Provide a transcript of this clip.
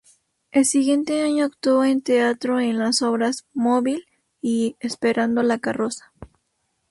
El siguiente año actuó en teatro en las obras "Móvil" y "Esperando la carroza".